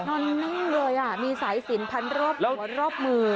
นั่นหนึ่งเลยอ่ะมีสายสินพันรบกว่ารอบมือ